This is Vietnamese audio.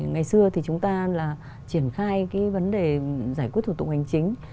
ngày xưa thì chúng ta là triển khai cái vấn đề giải quyết thủ tục hành chính